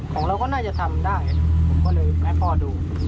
ของเราก็น่าจะทำได้ผมก็เลยมาให้พ่อดู